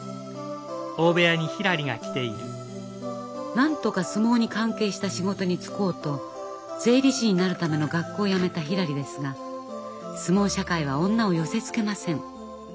なんとか相撲に関係した仕事に就こうと税理士になるための学校をやめたひらりですが相撲社会は女を寄せつけません。